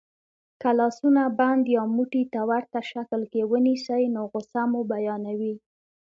که لاسونه بند یا موټي ته ورته شکل کې ونیسئ نو غسه مو بیانوي.